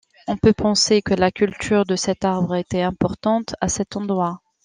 On peut penser que la culture de cet arbre était importante à cet endroit.